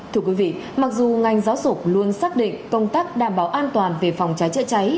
thưa quý vị mặc dù ngành giáo dục luôn xác định công tác đảm bảo an toàn về phòng cháy chữa cháy